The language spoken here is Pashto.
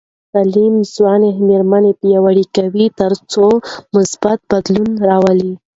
تعلیم ځوانې میرمنې پیاوړې کوي تر څو مثبت بدلون راولي.